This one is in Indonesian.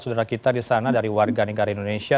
saudara kita di sana dari warga negara indonesia